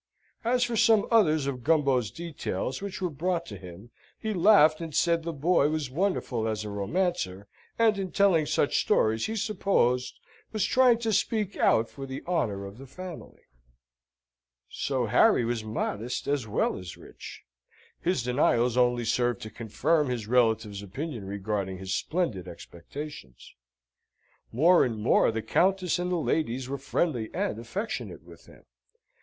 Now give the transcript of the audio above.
As for some others of Gumbo's details which were brought to him, he laughed and said the boy was wonderful as a romancer, and in telling such stories he supposed was trying to speak out for the honour of the family. So Harry was modest as well as rich! His denials only served to confirm his relatives' opinion regarding his splendid expectations. More and more the Countess and the ladies were friendly and affectionate with him.